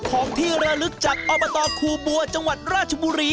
สวัสดีครับ